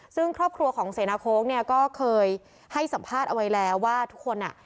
ซึ่งครอบครัวของเสนาโค้กเนี่ยก็เคยให้สัมภาษณ์เอาไว้แล้วว่าทุกคนอ่ะ